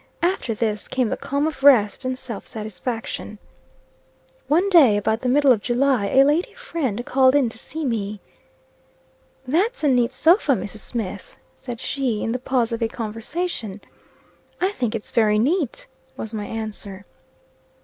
After this came the calm of rest and self satisfaction. One day, about the middle of July, a lady friend called in to see me. "That's a neat sofa, Mrs. Smith," said she, in the pause of a conversation. "I think it very neat," was my answer.